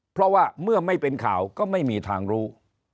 เพราะว่าเมื่อไม่เป็นข่าวก็ไม่มีทางรู้